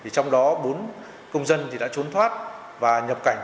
trong đó bốn công dân đã trốn thoát và nhập cảnh trái phép